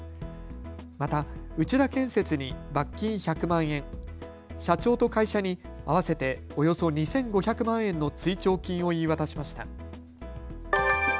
また内田建設に罰金１００万円、社長と会社に合わせておよそ２５００万円の追徴金を言い渡しました。